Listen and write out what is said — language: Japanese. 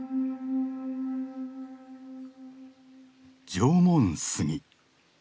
縄文杉。